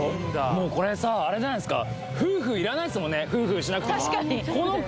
もうこれさあれじゃないですか